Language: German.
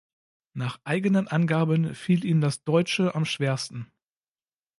Nach eigenen Angaben fiel ihm das Deutsche am Schwersten.